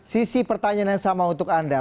sisi pertanyaan yang sama untuk anda